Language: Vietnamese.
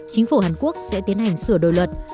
chính phủ hàn quốc sẽ tiến hành sửa đổi luật